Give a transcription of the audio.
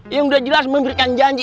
yang sudah jelas memberikan janji